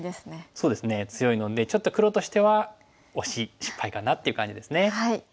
そうですね強いのでちょっと黒としては惜しい失敗かなっていう感じですね。